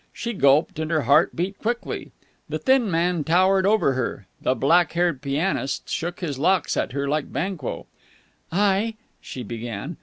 She gulped, and her heart beat quickly. The thin man towered over her. The black haired pianist shook his locks at her like Banquo. "I...." she began.